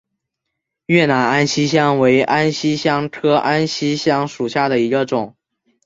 越南安息香为安息香科安息香属下的一个种。